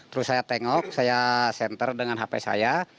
terus saya tengok saya senter dengan hp saya